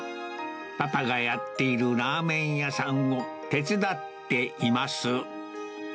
パパがやっているラーメン屋さんを手伝っています。